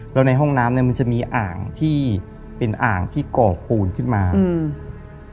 แล้วในห้องน้ำเนี้ยมันจะมีอ่างที่เป็นอ่างที่ก่อปูนขึ้นมาอืม